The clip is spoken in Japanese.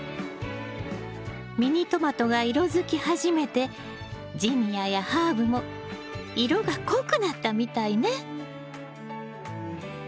ミニトマトが色づき始めてジニアやハーブも色が濃くなったみたいね。